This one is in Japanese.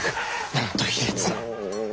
なんと卑劣な！